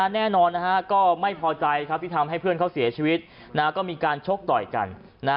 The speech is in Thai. แน่นอนก็ไม่พอใจที่ทำให้เพื่อนเขาเสียชีวิตก็มีการชกต่อยกัน